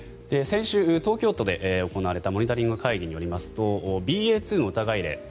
先週、東京都で行われたモニタリング会議によりますとＢＡ．２の疑い例